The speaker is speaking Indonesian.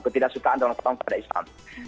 ketidaksukaan donald trump pada islam